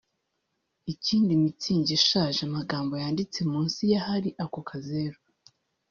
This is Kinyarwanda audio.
Ikindi Mützig ishaje amagambo yanditse munsi y’ahari ako kazeru